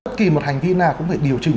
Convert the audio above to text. bất kỳ một hành vi nào cũng phải điều chỉnh